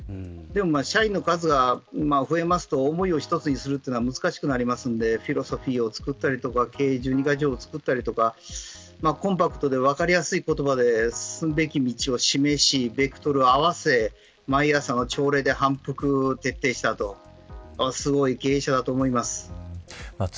社員の数が増えますと思いを一つにするのは難しくなりますのでフィロソフィーを作ったり経営準備が城を作ったりコンパクトで分かりやすい言葉で進むべき道を示しベクトルを合わせ毎朝の朝礼で反復を徹底したとすごい経営者だと思います。